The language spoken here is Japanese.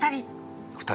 ２人？